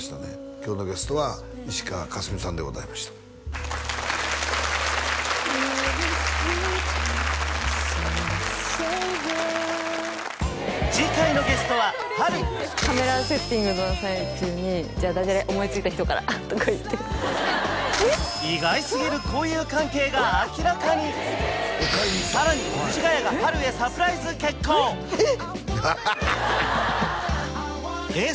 今日のゲストは石川佳純さんでございました次回のゲストは波瑠カメラセッティングの最中に「じゃあダジャレ思いついた人から」とか言ってさらに藤ヶ谷が波瑠へサプライズ決行えっ！